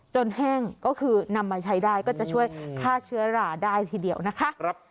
แห้งก็คือนำมาใช้ได้ก็จะช่วยฆ่าเชื้อราได้ทีเดียวนะคะ